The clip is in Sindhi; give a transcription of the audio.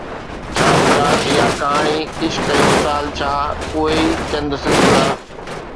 ڇا پلاٽ يا ڪهاڻي، عشق ۽ وصال جا اهي ئي چند سلسلا.